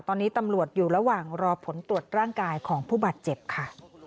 ตอนนี้ตำรวจอยู่ระหว่างรอผลตรวจร่างกายของผู้บาดเจ็บค่ะ